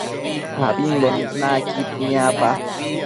Ambimbo naquid niapa